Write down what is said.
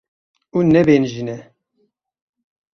Hûn nebêhnijî ne.